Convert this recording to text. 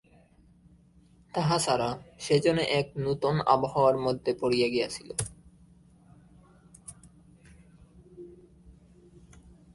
তাহা ছাড়া, সে যেন এক নূতন আবহাওয়ার মধ্যে পড়িয়া গিয়াছিল।